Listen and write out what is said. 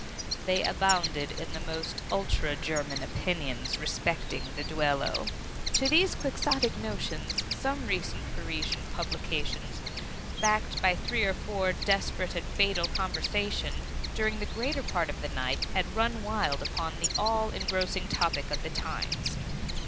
They abounded in the most ultra German opinions respecting the duello. To these Quixotic notions some recent Parisian publications, backed by three or four desperate and fatal rencounters at G——n, had given new vigor and impulse; and thus the conversation, during the greater part of the night, had run wild upon the all engrossing topic of the times.